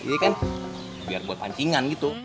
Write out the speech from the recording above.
jadi kan biar buat pancingan gitu